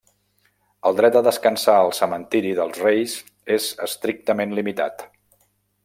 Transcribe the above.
El dret a descansar al cementiri dels Reis és estrictament limitat.